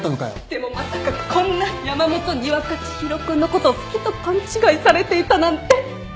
でもまさかこんな山本にわか知博君のことを好きと勘違いされていたなんて。